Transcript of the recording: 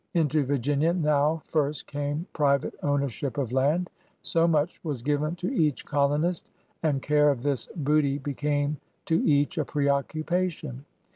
Into Virginia now first came private ownership of land.' So much was given to each colonist, and care of this booty be came to each a preoccupation.